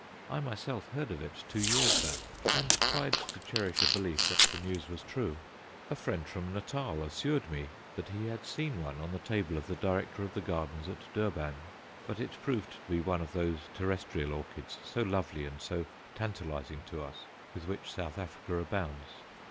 I myself heard of it two years back, and tried to cherish a belief that the news was true. A friend from Natal assured me that he had seen one on the table of the Director of the Gardens at Durban; but it proved to be one of those terrestrial orchids, so lovely and so tantalizing to us, with which South Africa abounds.